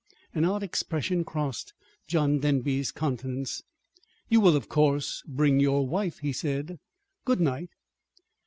An odd expression crossed John Denby's countenance. "You will, of course, bring your wife," he said. "Good night."